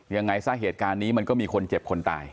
ยังไงซะเหตุการณ์นี้มันก็มีคนเจ็บคนตาย